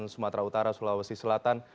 sumatera utara sulawesi selatan